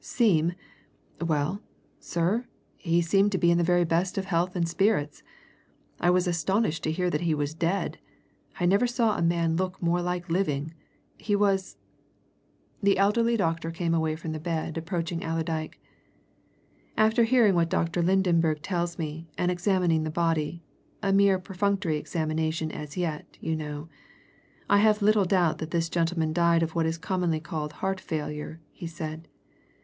"Seem? Well, sir, he seemed to be in the very best of health and spirits! I was astonished to hear that he was dead. I never saw a man look more like living. He was " The elderly doctor came away from the bed approaching Allerdyke. "After hearing what Dr. Lydenberg tells me, and examining the body a mere perfunctory examination as yet, you know I have little doubt that this gentleman died of what is commonly called heart failure," he said.